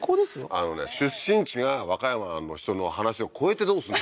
あのね出身地が和歌山の人の話を超えてどうすんの？